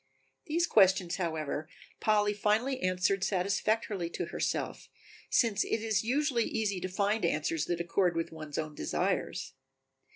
These questions, however, Polly finally answered satisfactorily to herself, since it is usually easy to find answers that accord with one's own desires.